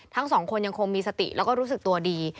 ทั้งสองคนยังคงมีสติแล้วก็รู้สึกตัวดี